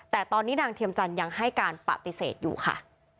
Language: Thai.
แต่ตอนนี้นางเทียมจันทร์ยังให้การปฏิเสธอยู่ค่ะ